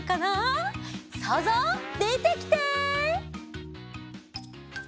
そうぞうでてきて！